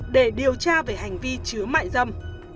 để điều tra về hành vi chứa mại dâm